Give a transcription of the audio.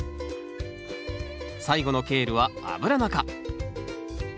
最後のケールはアブラナ科。